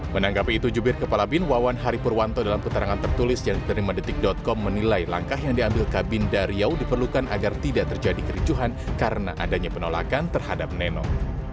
menanggapi itu jubir kepala bin wawan haripurwanto dalam keterangan tertulis yang diterima detik com menilai langkah yang diambil kabin dariau diperlukan agar tidak terjadi kericuhan karena adanya penolakan terhadap nenong